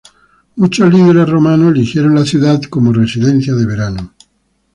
Muchos líderes romanos eligieron la ciudad como residencia de verano.